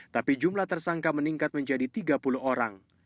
tapi jumlah tersangka meningkat menjadi tiga puluh orang